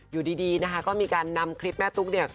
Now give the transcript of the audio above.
อยู่ดีนะคะก็มีการนำคลิปแม่ตุ๊กเนี่ย